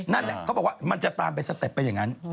นั่นแหละเขาบอกว่ามันจะตามไปสเต็ปเป็นอย่างนั้น